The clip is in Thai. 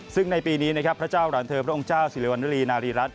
ซึ่งในปีนี้นะครับพระเจ้าหลานเธอพระองค์เจ้าศิริวัณวรีนารีรัฐ